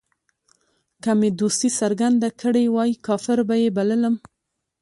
که مې دوستي څرګنده کړې وای کافر به یې بللم.